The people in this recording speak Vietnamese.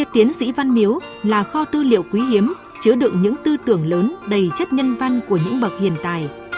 tiến sĩ văn miếu là kho tư liệu quý hiếm chứa đựng những tư tưởng lớn đầy chất nhân văn của những bậc hiện tài